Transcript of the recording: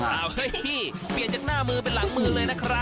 เฮ้ยพี่เปลี่ยนจากหน้ามือเป็นหลังมือเลยนะครับ